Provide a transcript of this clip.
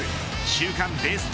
週間ベスト